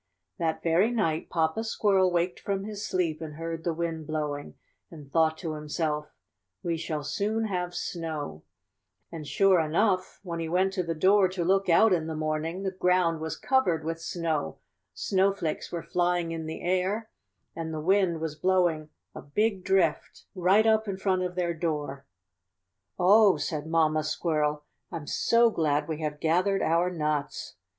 "That very night Papa Squirrel waked from his sleep and heard the wind blowing, and thought to himself, Ve shall soon have snow' ; and, sure enough, when he went to the door to look out in the morning the ground was covered with snow, snowflakes were flying in the air and the wind was blowing a big drift right up in front of their door. " ^Oh!' said Mamma Squirrel, T'm so glad we have gathered our nuts.